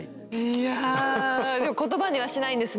いやでも言葉にはしないんですね。